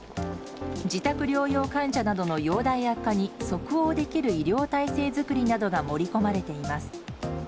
自宅療養患者などの容体悪化に即応できる医療体制作りなどが盛り込まれています。